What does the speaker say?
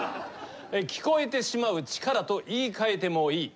聴こえてしまう力と言い換えてもいい。